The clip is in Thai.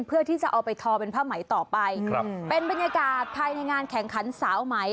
เพื่อที่จะเอาไปทอเป็นผ้าไหมต่อไปครับเป็นบรรยากาศภายในงานแข่งขันสาวไหม